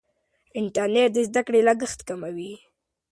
انټرنیټ د زده کړې لګښت کموي.